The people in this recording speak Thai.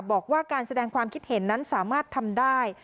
บอกว่าการแสดงความคิดเห็นนั้นสามารถทำได้